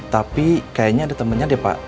tapi kayaknya ada temennya deh pak